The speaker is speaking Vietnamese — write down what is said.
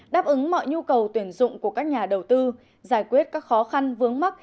đáp ứng mọi nhu cầu tuyển dụng của các nhà đầu tư giải quyết các khó khăn vướng mắt